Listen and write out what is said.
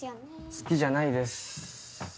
好きじゃないです。